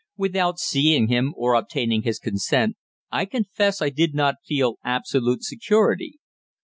Without seeing him or obtaining his consent, I confess I did not feel absolute security.